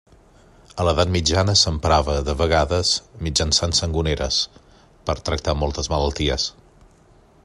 A l'edat mitjana s'emprava, de vegades mitjançant sangoneres, per tractar moltes malalties.